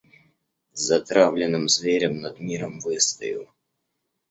Затравленным зверем над миром выстою.